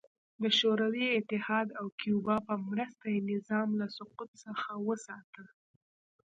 د شوروي اتحاد او کیوبا په مرسته یې نظام له سقوط څخه وساته.